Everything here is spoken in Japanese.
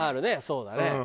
そうだね。